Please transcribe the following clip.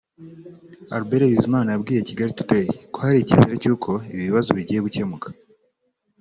Albert Bizimana yabwiye Kigali Today ko hari icyizere cy’uko ibi bibazo bigiye gukemuka